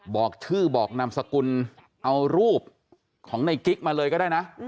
บอกชื่อบอกนามสกุลเอารูปของในกิ๊กมาเลยก็ได้นะ